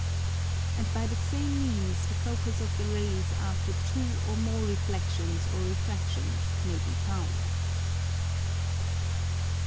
] And by the same means the Focus of the Rays after two or more Reflexions or Refractions may be found.